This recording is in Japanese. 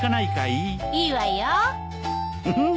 いいわよ。